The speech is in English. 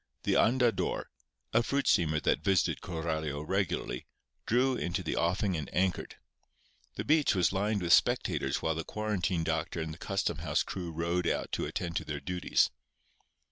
The Andador, a fruit steamer that visited Coralio regularly, drew into the offing and anchored. The beach was lined with spectators while the quarantine doctor and the custom house crew rowed out to attend to their duties.